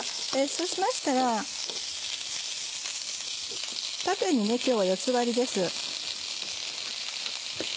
そうしましたら縦に今日は４つ割りです。